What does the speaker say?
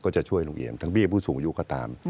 จะช่วยลุงเอี่ยมทั้งเบี้ยผู้สูงอายุก็ตาม